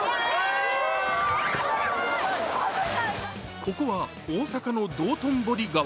ここは、大阪の道頓堀川。